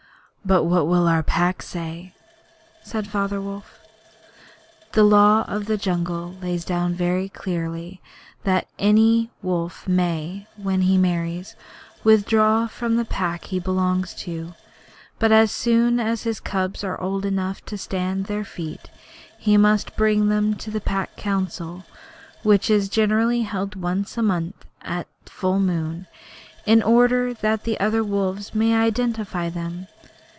'But what will our Pack say?' said Father Wolf. The Law of the Jungle lays down very clearly that any wolf may, when he marries, withdraw from the Pack he belongs to; but as soon as his cubs are old enough to stand on their feet he must bring them to the Pack Council, which is generally held once a month at full moon, in order that the other wolves may identify them.